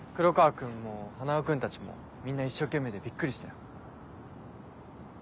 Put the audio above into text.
君も花男君たちもみんな一生懸命でびっくりしたよ。